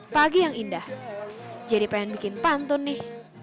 pagi yang indah jadi pengen bikin pantun nih